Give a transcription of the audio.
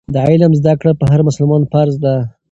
د علم زده کړه په هر مسلمان فرض ده.